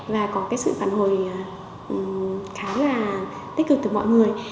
và có cái sự phản hồi khá là tích cực từ mọi người